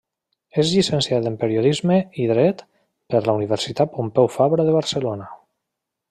És llicenciat en periodisme i dret per la Universitat Pompeu Fabra de Barcelona.